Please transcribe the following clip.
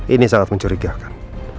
ini sangat mencurigakan